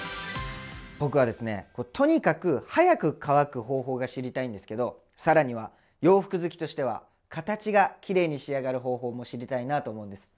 僕はですねとにかく早く乾く方法が知りたいんですけど更には洋服好きとしては形がきれいに仕上がる方法も知りたいなと思うんです。